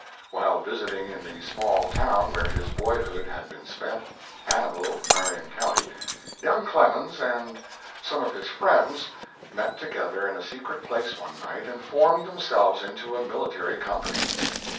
While visiting in the small town where his boyhood had been spent, Hannibal, Marion County, young Clemens and some of his friends met together in a secret place one night, and formed themselves into a military company.